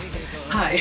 はい。